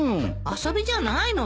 遊びじゃないのよ。